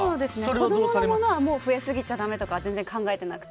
子供のものは増えすぎてはだめとか考えてなくて。